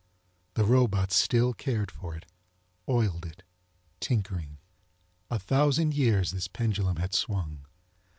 The robots still cared for it, oiled it, tinkering. A thousand years this pendulum had swung.